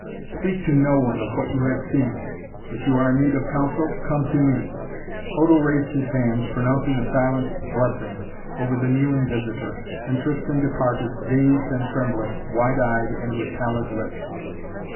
Speak to no one of what you have seen. If you are in need of counsel, come to me!" Odo raised his hands, pronouncing a silent blessing over the kneeling visitor and Tristan departed, dazed and trembling, wide eyed and with pallid lips.